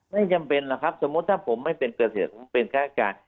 ไม่จำเป็นหรอกครับสมมุติถ้าผมไม่เป็นเกษตรผมเป็นค่าราชการ